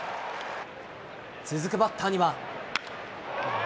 続くバッターには。